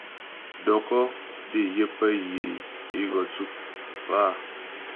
Dɔkɔ́́ dé yə pə pé yə́ é gɔ tsʉ áa.